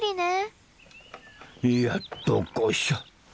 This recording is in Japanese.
やっとこしょ。